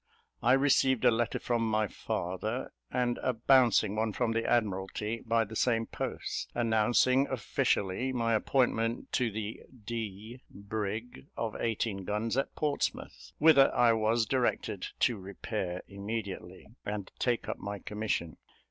I received a letter from my father, and a bouncing one from the Admiralty, by the same post, announcing officially my appointment to the D brig, of eighteen guns, at Portsmouth, whither I was directed to repair immediately, and take up my commission.